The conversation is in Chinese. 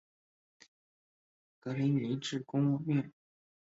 格林尼治宫苑。